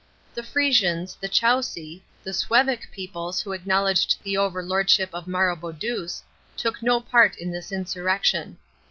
The Frisians, the Chauci, the Suevic peoples who acknowledged the overlordship of Maroboduus, took no part in this insurrection.